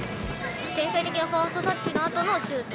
天才的なファーストタッチのあとのシュート。